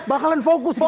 bakalan fokus kita pak